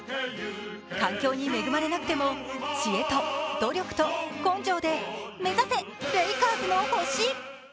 環境に恵まれなくても知恵と努力と根性で目指せレイカーズの星！